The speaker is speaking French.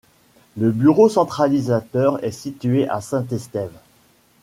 Le bureau centralisateur est situé à Saint-Estève.